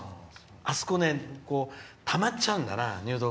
あそこ、たまっちゃうんだな。